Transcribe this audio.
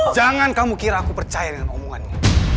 jangan kamu kira aku percaya dengan omongannya